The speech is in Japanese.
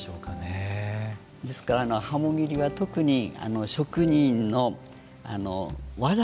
ですからハモ切りは特に職人の技。